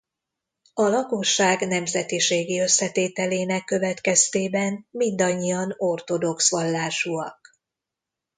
A lakosság nemzetiségi összetételének következtében mindannyian ortodox vallásúak.